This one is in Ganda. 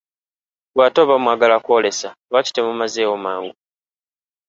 Ggwe ate oba mwagala kwoolesa, lwaki temumazeewo mangu?